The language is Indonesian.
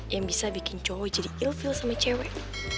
yang bisa bikin cowok jadi ill feel sama cewek